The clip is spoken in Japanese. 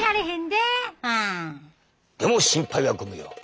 でも心配はご無用。